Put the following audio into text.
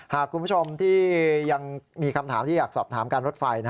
คุณผู้ชมที่ยังมีคำถามที่อยากสอบถามการรถไฟ